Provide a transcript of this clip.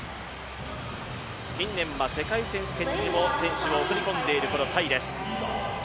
近年は世界選手権にも選手を送り込んでいる、このタイです。